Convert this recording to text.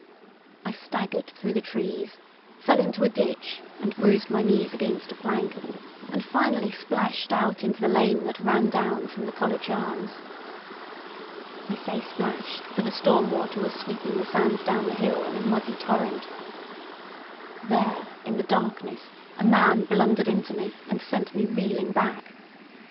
I staggered through the trees, fell into a ditch and bruised my knees against a plank, and finally splashed out into the lane that ran down from the College Arms. I say splashed, for the storm water was sweeping the sand down the hill in a muddy torrent. There in the darkness a man blundered into me and sent me reeling back.